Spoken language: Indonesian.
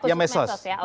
ya medsos ya